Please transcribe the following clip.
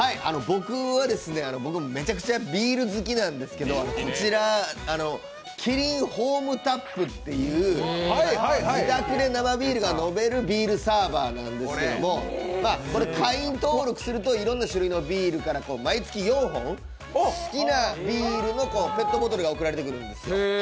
僕はめちゃくちゃビール好きなんですけどこちらキリンホームタップっていう自宅で生ビールが飲めるビールサーバーなんですけど会員登録すると、いろんな種類のビールから毎月４本好きなビールのペットボトルが送られてくるんですよ。